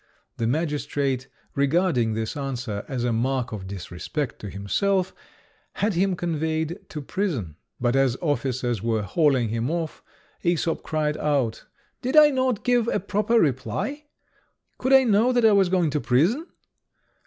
The magistrate, regarding this answer as a mark of disrespect to himself, had him conveyed to prison. But as the officers were hauling him off, Æsop cried out, "Did I not give a proper reply? Could I know that I was going to prison?"